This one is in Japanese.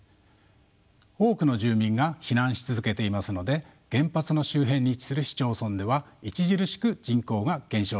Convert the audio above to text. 多くの住民が避難し続けていますので原発の周辺に位置する市町村では著しく人口が減少しています。